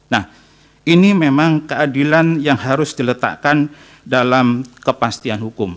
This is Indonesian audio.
nah ini memang keadilan yang harus diletakkan dalam kepastian hukum